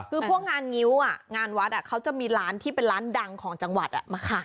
คือพวกงานงิ้วงานวัดเขาจะมีร้านที่เป็นร้านดังของจังหวัดมาขาย